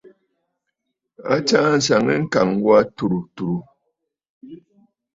A tsaa àŋsaŋ yî ŋ̀kàŋ wà tùrə̀ tùrə̀.